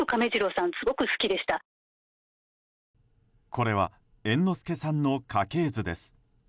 これは猿之助さんの家系図です。